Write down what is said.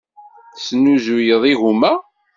Tesnuzuyeḍ igumma?